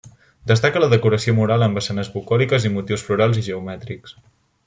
Destaca la decoració mural amb escenes bucòliques i motius florals i geomètrics.